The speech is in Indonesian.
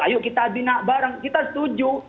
ayo kita bina bareng kita setuju